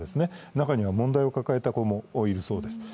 中には問題を抱えた子もいるそうです。